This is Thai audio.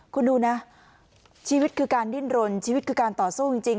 คุณดูนะชีวิตคือการดิ้นรนชีวิตคือการต่อสู้จริง